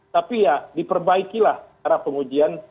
tapi ya diperbaikilah cara pengujian